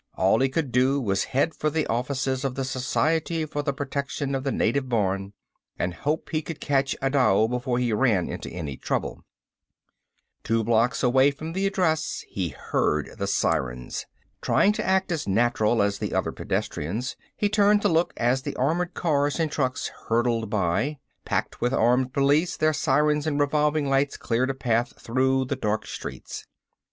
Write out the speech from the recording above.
All he could do was head for the offices of the Society for the Protection of the Native Born and hope he could catch Adao before he ran into any trouble. Two blocks away from the address he heard the sirens. Trying to act as natural as the other pedestrians, he turned to look as the armored cars and trucks hurtled by. Packed with armed police, their sirens and revolving lights cleared a path through the dark streets.